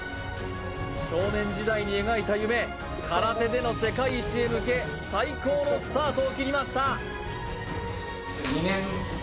少年時代に描いた夢空手での世界一へ向け最高のスタートを切りましたえっ？